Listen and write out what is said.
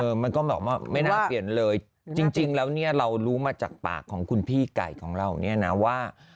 มันก็แบบว่าไม่น่าเปลี่ยนเลยจริงแล้วเนี่ยเรารู้มาจากปากของคุณพี่ไก่ของเราเนี่ยนะว่า